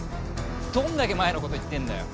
どんだけ前のこと言ってんだよ。